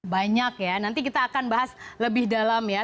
banyak ya nanti kita akan bahas lebih dalam ya